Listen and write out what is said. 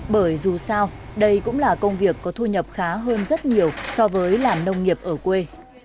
bởi dù sao đây cũng là công việc có thu nhập khá hơn rất nhiều so với làm nông nghiệp ở quê